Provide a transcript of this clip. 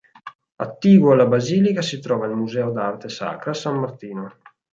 Attiguo alla Basilica si trova il Museo d'arte sacra San Martino.